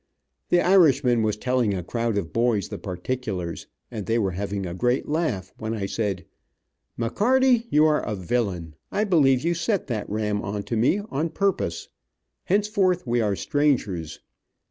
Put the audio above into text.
The Irishman was telling a crowd of boys the particulars, and they were having a great laugh, when I said: "McCarty, you are a villain. I believe you set that ram on to me on purpose. Henceforth we are strangers."